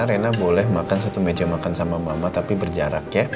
rena boleh makan satu meja makan sama mama tapi berjarak ya